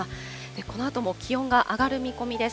このあとも気温が上がる見込みです。